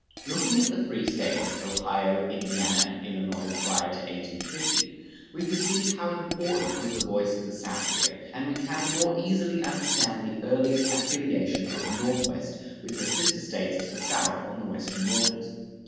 Looking at the three States, Ohio, Indiana, and Illinois, prior to 1850, we perceive how important was the voice of the South here, and we can the more easily understand the early affiliation of the Northwest with her sister States to the south on the Western waters.